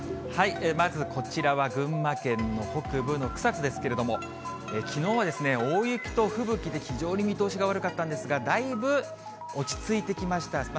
まずこちらは、群馬県の北部の草津ですけれども、きのうは大雪と吹雪で、非常に見通しが悪かったんですが、だいぶ落ち着いてきました。